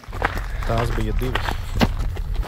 Tās bija divas.